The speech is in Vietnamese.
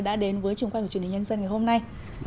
đã đến với trường quay của truyền hình nhân dân ngày hôm nay